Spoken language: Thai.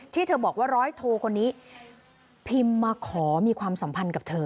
ที่เธอบอกว่าร้อยโทคนนี้พิมพ์มาขอมีความสัมพันธ์กับเธอ